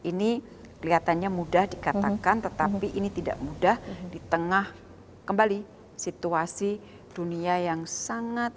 ini kelihatannya mudah dikatakan tetapi ini tidak mudah di tengah kembali situasi dunia yang sangat